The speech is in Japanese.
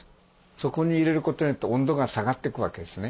そこに入れることによって温度が下がっていくわけですね。